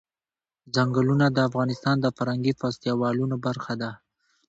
ځنګلونه د افغانستان د فرهنګي فستیوالونو برخه ده.